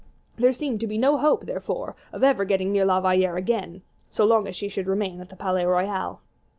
There seemed to be no hope, therefore, of ever getting near La Valliere again, so long as she should remain at the Palais Royal.